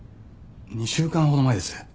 ２週間ほど前です。